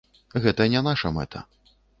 Гэта не наша мэта.